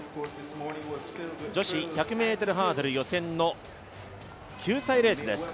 女子１００ｍハードル予選の救済レースです。